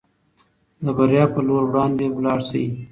د بریا په لور وړاندې لاړ شئ.